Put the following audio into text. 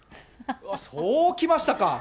そうきましたか。